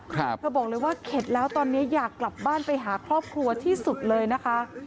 เธอบอกเลยว่าเข็ดแล้วตอนนี้อยากกลับบ้านไปหาครอบครัวที่สุดเลยนะคะ